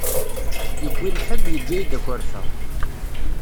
Yewwi lḥebb, yeǧǧa-yi-d akerfa.